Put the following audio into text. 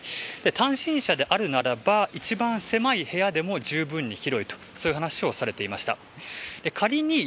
単身者であるならば一番狭い部屋でも十分に広いという話をされていました。